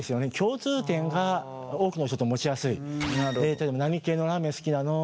例えば「何系のラーメン好きなの？